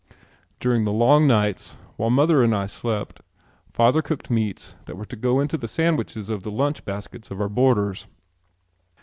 During the long nights, while mother and I slept, father cooked meats that were to go into sandwiches for the lunch baskets of our boarders.